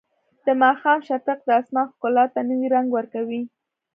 د ماښام شفق د اسمان ښکلا ته نوی رنګ ورکوي.